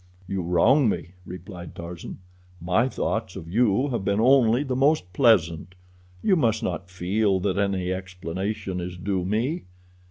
"You wrong me," replied Tarzan. "My thoughts of you have been only the most pleasant. You must not feel that any explanation is due me.